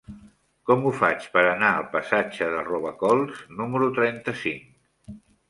Com ho faig per anar al passatge de Robacols número trenta-cinc?